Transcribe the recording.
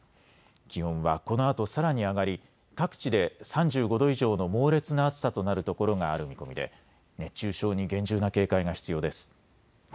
気温はこのあとさらに上がり各地で３５度以上の猛烈な暑さとなるところがある見込みで熱中症に厳重な警戒が必要です。